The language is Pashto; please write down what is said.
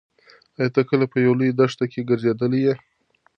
ایا ته کله په یوه لویه دښته کې ګرځېدلی یې؟